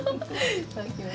いただきます。